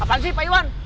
apaan sih pak iwan